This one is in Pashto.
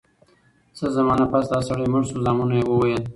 څه زمانه پس دا سړی مړ شو زامنو ئي وويل: